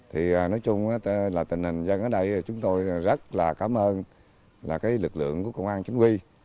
thì nói chung là tình hình dân ở đây chúng tôi rất là cảm ơn là cái lực lượng của công an chính quy